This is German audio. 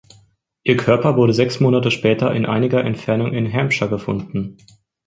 Ihr Körper wurde sechs Monate später in einiger Entfernung in Hampshire gefunden.